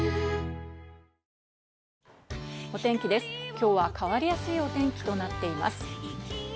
今日は変わりやすいお天気となっています。